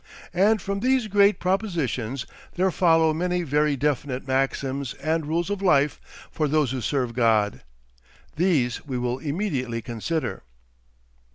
And from these great propositions there follow many very definite maxims and rules of life for those who serve God. These we will immediately consider.